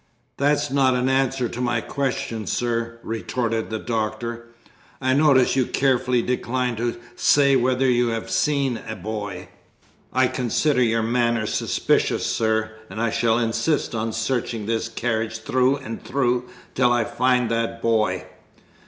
"That's not an answer to my question, sir," retorted the Doctor. "I notice you carefully decline to say whether you have seen a boy. I consider your manner suspicious, sir; and I shall insist on searching this carriage through and through till I find that boy!"